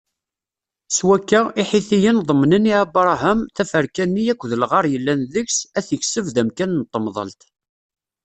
S wakka, Iḥitiyen ḍemnen i Abṛaham taferka-nni akked lɣar yellan deg-s, ad t-ikseb d amkan n temḍelt.